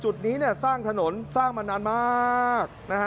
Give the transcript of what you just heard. จุดนี้สร้างถนนสร้างมานานมาก